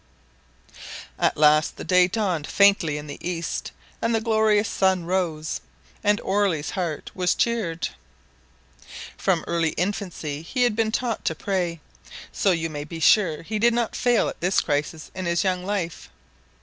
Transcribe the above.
At last the day dawned faintly in the east and the glorious sun arose, and Orley's heart was cheered. From earliest infancy he had been taught to pray, so you may be sure he did not fail at this crisis in his young life.